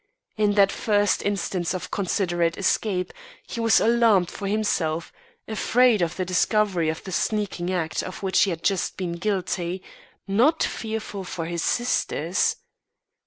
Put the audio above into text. In that first instant of inconsiderate escape, he was alarmed for himself, afraid of the discovery of the sneaking act of which he had just been guilty not fearful for his sisters.